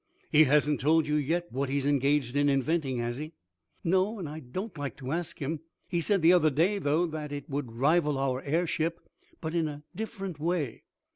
"He hasn't told you yet what he's engaged in inventing; has he?" "No, and I don't like to ask him. He said the other day, though, that it would rival our airship, but in a different way."